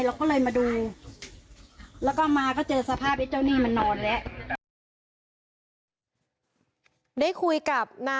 เราก็เลยมาดูแล้วก็มาก็เจอสภาพไอ้เจ้าหนี้มันนอนแล้ว